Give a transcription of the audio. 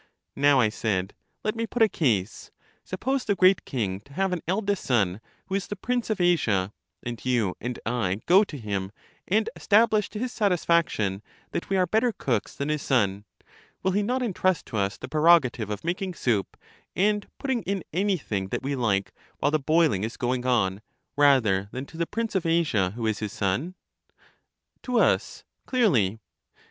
Now, I said, let me put a case. Suppose the great king to have an eldest son, who is the Prince of Asia ; and you and I go to him and establish to his satis faction that we are better cooks than his son, will he not entrust to us the prerogative of making soup, and putting in anything that we like while the boiling is going on, rather than to the Prince of Asia, who is his son? To us, clearly.